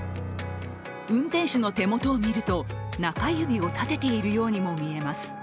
運転手の手元を見ると、中指を立てているようにも見えます。